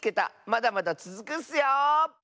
まだまだつづくッスよ！